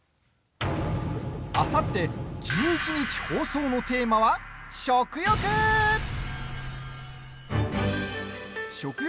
あさって１１日放送のテーマは「食欲」。